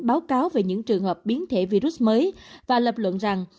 báo cáo về những trường hợp biến thể virus mới và lập luận rằng